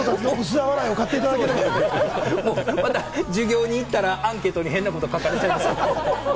また授業に行ったら、アンケートに変なこと書かれるんで。